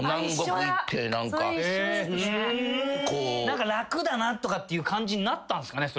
何か楽だなとかって感じになったんすかね。